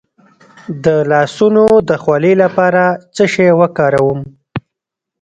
د لاسونو د خولې لپاره څه شی وکاروم؟